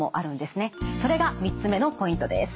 それが３つ目のポイントです。